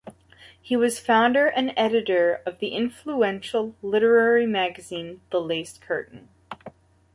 He was founder and editor of the influential literary magazine The Lace Curtain.